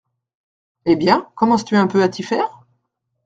Eh bien, commences-tu un peu à t’y faire ?…